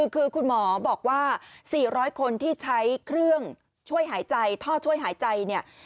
คือคุณหมอบอกว่า๔๐๐คนที่ใช้เครื่องช่วยหายใจท่อช่วยหายใจเนี่ย